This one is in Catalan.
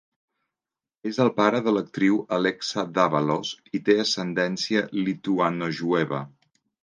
És el pare de l'actriu Alexa Dávalos i té ascendència lituanojueva.